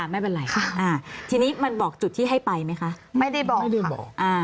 ไม่เป็นไรทีนี้มันบอกจุดที่ให้ไปไหมคะไม่ได้บอกไม่ได้บอก